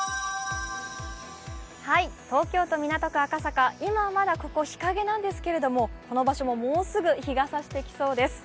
東京都港区赤坂、今はまだここ日陰なんですけれどもこの場所も、もうすぐ日がさしてきそうです。